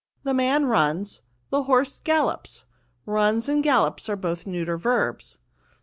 * The man runs,' * the horse gallops,' ' runs* and ' gallops* are both neuter verbs."